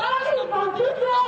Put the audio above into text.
tetapi sampai enam bulan ini